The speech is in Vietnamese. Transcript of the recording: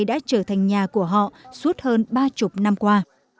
nơi này đã trở thành nhà của họ suốt hơn ba mươi năm qua